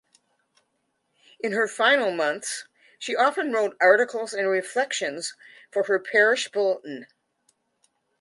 In her final months she often wrote articles and reflections for her parish bulletin.